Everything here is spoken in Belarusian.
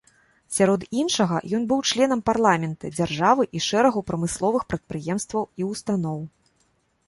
Сярод іншага, ён быў членам парламента дзяржавы і шэрагу прамысловых прадпрыемстваў і ўстаноў.